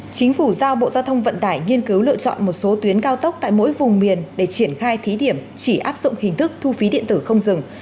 chính phủ giao bộ giao thông vận tải nghiên cứu lựa chọn một số tuyến cao tốc tại mỗi vùng miền để triển khai thí điểm chỉ áp dụng hình thức thu phí điện tử không dừng